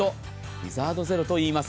ビザードゼロといいます。